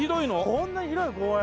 こんなに広い公園？